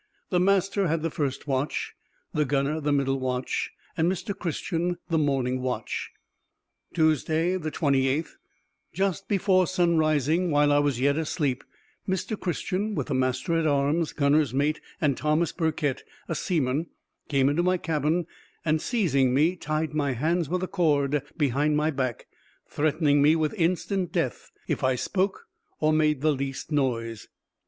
The master had the first watch, the gunner the middle watch, and Mr. Christian the morning watch. Tuesday, 28th.—Just before sunrising, while I was yet asleep, Mr. Christian, with the master at arms, gunner's mate, and Thomas Burkitt, seaman, came into my cabin, and seizing me, tied my hands with a cord behind my back, threatening me with instant death if I spoke or made the least noise.